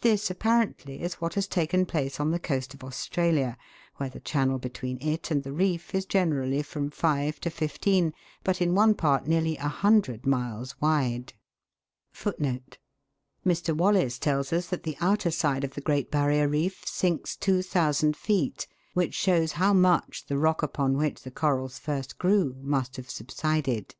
This apparently is what has taken place on the coast of Australia, where the channel between it and the reef is generally from five to fifteen, but, in one part, nearly a hundred miles wide.* But supposing that the land should continue to sink until * Mr. Wallace tells us that the outer side of the Great Barrier reef sinks 2, ooo feet, which shows how much the rock upon \\hich the corals first grew must have subsided.